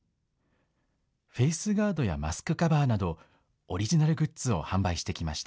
フェイスガードやマスクカバーなど、オリジナルグッズを販売してきました。